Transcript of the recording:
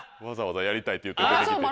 わざわざやりたいって言うて。